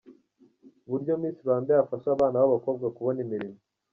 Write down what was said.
Uburyo Miss Rwanda yafasha abana babakobwa kubona imirimo.